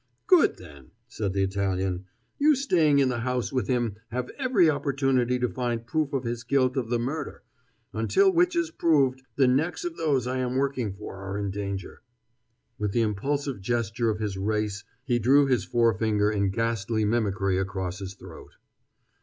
"Good, then," said the Italian; "you staying in the house with him have every opportunity to find proof of his guilt of the murder; until which is proved, the necks of those I am working for are in danger." With the impulsive gesture of his race he drew his forefinger in ghastly mimicry across his throat.